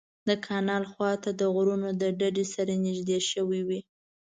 د کانال خوا ته د غرونو ډډې سره نږدې شوې وې.